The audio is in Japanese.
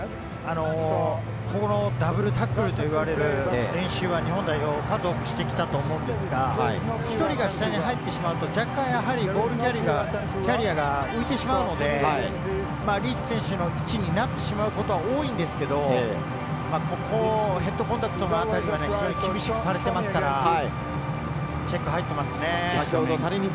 ダブルタックルと言われる練習は日本代表、数多くしてきたと思うんですが、１人が下に入ってしまうと、若干ボールキャリアーが浮いてしまうので、リーチ選手の位置になってしまうことは多いんですけれど、ヘッドコンタクトのあたりが非常に厳しくされてますから、チェックが入ってますね。